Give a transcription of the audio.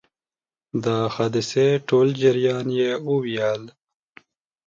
د حادثې ټول جریان یې وویل.